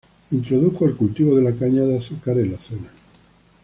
Introdujo el cultivo de la caña de azúcar en la zona.